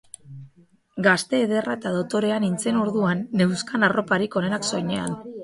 Gazte ederra eta dotorea nintzen orduan, neuzkan arroparik onenak soinean.